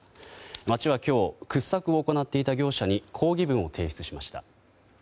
町は今日掘削を行っていた業者に抗議文を提出しました。